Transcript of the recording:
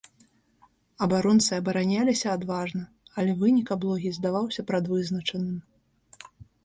Абаронцы абараняліся адважна, але вынік аблогі здаваўся прадвызначаным.